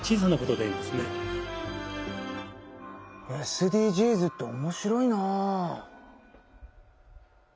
ＳＤＧｓっておもしろいなあ。